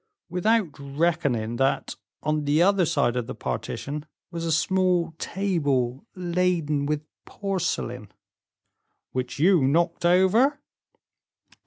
"Without reckoning that on the other side of the partition was a small table laden with porcelain " "Which you knocked over?"